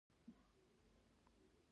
ایا ستاسو کوربه توب به یادګار نه وي؟